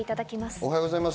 おはようございます。